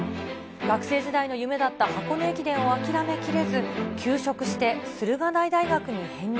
学生時代の夢だった箱根駅伝を諦めきれず、休職して駿河台大学に編入。